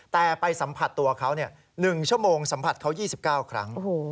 แต่ไปสัมผัสตัวเขา๑ชั่วโมงสัมผัสเขา๒๙ครั้ง